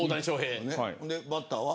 でバッターは。